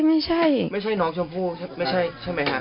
ไม่ใช่น้องชมพู่ใช่ไหมฮะ